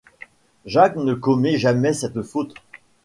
Jacques ne commet jamais cette faute.